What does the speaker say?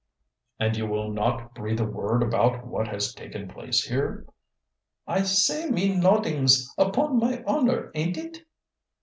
"And you will not breathe a word about what has taken place here"? "I say me noddings, upon my honor, ain't it!"